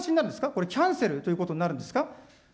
これ、キャンセルということになるんですか。